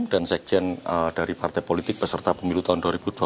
dan sekjen dari partai politik beserta pemilu tahun dua ribu dua puluh empat